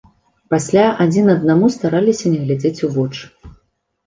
Пасля адзін аднаму стараліся не глядзець у вочы.